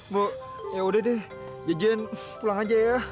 bu ya udah deh ya jen pulang aja ya